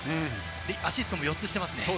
アシストも４つですね。